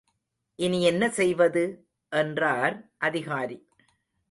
இனி என்ன செய்வது? என்றார் அதிகாரி.